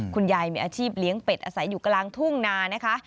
คุณยายมีอาชีพเลี้ยงเป็ดอาศัยอยู่กลางทุ่งนานะคะ